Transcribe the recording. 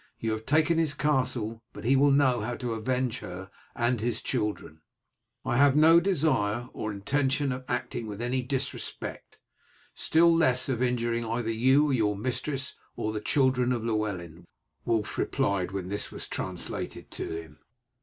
You have taken his castle, but he will know how to avenge her and his children." "I have no desire or intention of acting with any disrespect, still less of injuring either your mistress or the children of Llewellyn," Wulf replied, when this was translated to him.